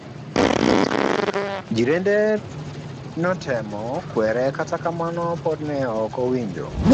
Jirende notemo kwere kata kamano pod ne okowinjo.